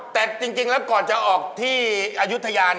แต่จริงแล้วก่อนจะออกที่อายุทยา